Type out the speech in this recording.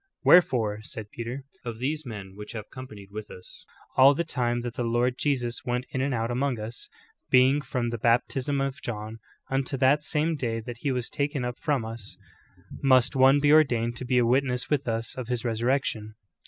"Wherefore." said Peter, "of these men which have companied with us all the time that the Lord Jesus went in and out among us. beginning from the bap tism of John, unto that same day that he was taken up from us, must one be ordained to be a witness with us of his resurrection."'